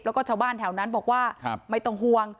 แล้วก็ชาวบ้านแถวนั้นบอกว่าไม่ต้องห่วง